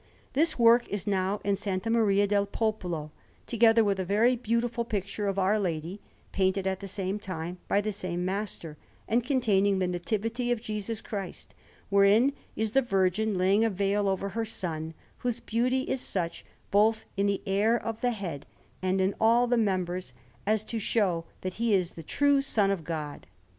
This work is now in S. Maria del Popolo, together with a very beautiful picture of Our Lady, painted at the same time by the same master, and containing the Nativity of Jesus Christ, wherein is the Virgin laying a veil over her Son, whose beauty is such, both in the air of the head and in all the members, as to show that He is the true Son of God.